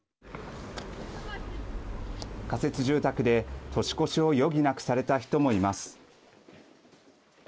仮設住宅で年越しを余儀なくされた人もいます。